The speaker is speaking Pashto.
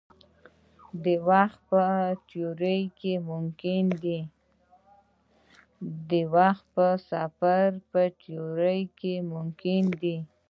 د وخت سفر په تیوري کې ممکن دی.